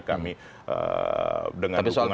kami dengan dukungan tapi soalnya